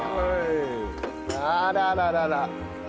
あらららら。